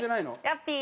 ヤッピー！